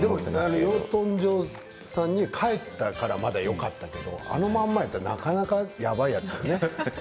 養豚場さんに帰ったからまだよかったけどあのままやったらなかなかやばいやつよね。